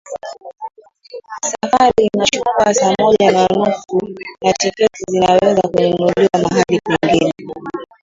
Safari inachukua saa moja na nusu na tiketi zinaweza kununuliwa mahali pengine